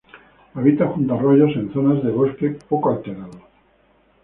Habita junto arroyos en zonas de bosque poco alterado.